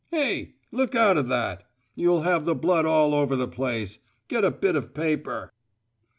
Hey! Look out of that! You'll have the blood all over the place. Get a bit of paper."